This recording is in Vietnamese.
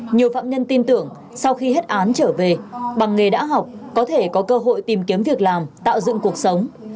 nhiều phạm nhân tin tưởng sau khi hết án trở về bằng nghề đã học có thể có cơ hội tìm kiếm việc làm tạo dựng cuộc sống